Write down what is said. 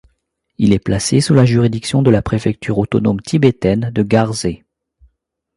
Il est placé sous la juridiction de la préfecture autonome tibétaine de Garzê.